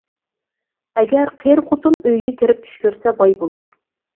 ئەگەر قېرى خوتۇن ئۆيىگە كىرىپ چۈش كۆرسە باي بولۇر.